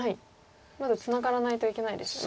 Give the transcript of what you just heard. まずツナがらないといけないですよね。